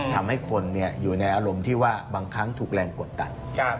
ทำให้คนอยู่ในอารมณ์ที่ว่าบางครั้งถูกแรงกดดัน